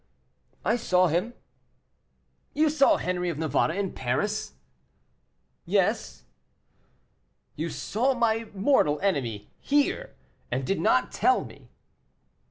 "I saw him." "You saw Henri of Navarre in Paris?" "Yes." "You saw my mortal enemy here, and did not tell me?"